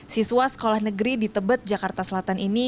siswa sekolah negeri di tebet jakarta selatan ini